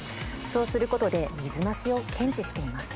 そうすることで水増しを検知しています。